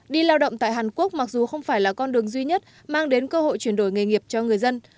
đi lao động tại hàn quốc mặc dù không phải là con đường duy nhất mang đến cơ hội chuyển đổi nghề nghiệp cho người dân